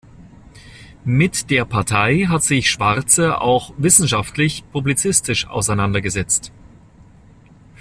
Mit der Partei hat sich Schwarze auch wissenschaftlich, publizistisch auseinandergesetzt.